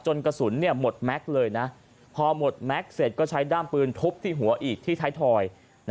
กระสุนหมดแม็กซ์เลยนะพอหมดแม็กซ์เสร็จก็ใช้ด้ามปืนทุบที่หัวอีกที่ไทยทอย